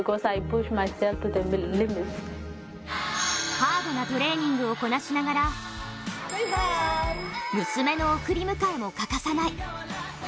ハードなトレーニングをこなしながら、娘の送り迎えを欠かさない。